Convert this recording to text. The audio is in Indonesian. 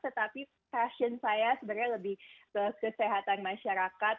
tetapi passion saya sebenarnya lebih ke kesehatan masyarakat